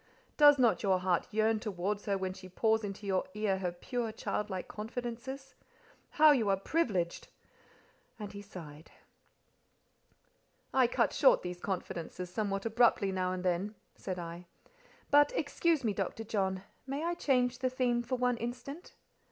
Does not your heart yearn towards her when she pours into your ear her pure, childlike confidences? How you are privileged!" And he sighed. "I cut short these confidences somewhat abruptly now and then," said I. "But excuse me, Dr. John, may I change the theme for one instant?